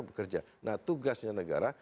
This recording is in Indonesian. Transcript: bekerja nah tugasnya negara